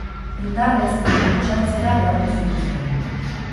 Indarrez, berriro sartzera behartu zituzten.